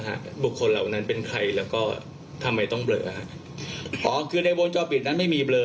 บุคคลเหล่านั้นเป็นใครแล้วก็ทำไมต้องเบลออ๋อคือในวงจอปิดนั้นไม่มีเบลอ